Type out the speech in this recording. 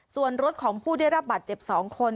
ส่วนรถของผู้ได้รับบาดเจ็บ๒คน